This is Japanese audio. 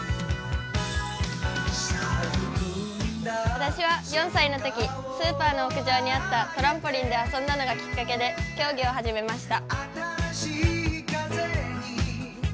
私は４歳のとき、スーパーの屋上にあったトランポリンで遊んだのがきっかけで競技を始めました。